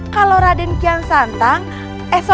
kalau raden kian santang esok